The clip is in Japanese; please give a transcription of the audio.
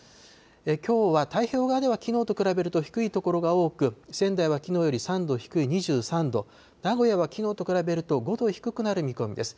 きょうは太平洋側ではきのうと比べると低い所が多く、仙台はきのうより３度低い２３度、名古屋はきのうと比べると５度低くなる見込みです。